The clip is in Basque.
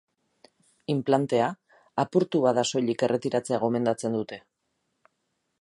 Inplantea, apurtu bada soilik erretiratzea gomendatzen dute.